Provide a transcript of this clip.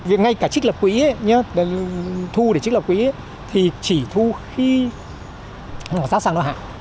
việc ngay cả trích lập quỹ thu để trích lập quỹ thì chỉ thu khi giá sang đoạn hạng